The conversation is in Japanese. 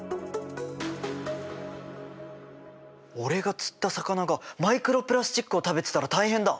俺が釣った魚がマイクロプラスチックを食べてたら大変だ！